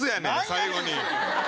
最後に！